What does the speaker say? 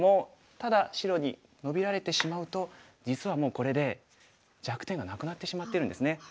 ただ白にノビられてしまうと実はもうこれで弱点がなくなってしまってるんですね。